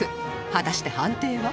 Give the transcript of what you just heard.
果たして判定は？